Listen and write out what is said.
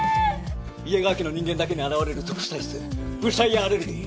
イエーガー家の人間だけに現れる特殊体質ぶしゃ家アレルギー！